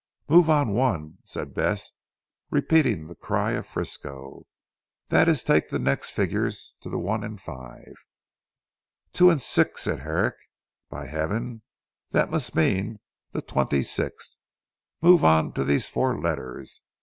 "Move on one," said Bess repeating the cry of Frisco, "that is take the next figures to one and five." "Two, six," said Herrick, "by heaven that must mean the twenty sixth! Move on one of these four letters.